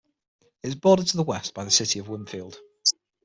It is bordered to the west by the city of Winfield.